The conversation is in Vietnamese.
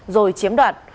rồi chiếm đoạt